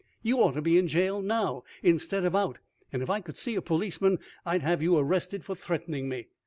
"You ought to be in jail now, instead of out; and if I could see a policeman, I'd have you arrested for threatening me!